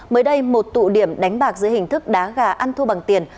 mới đây một tụ điểm đánh bạc dưới hình thức đá gà ăn thua bằng tiền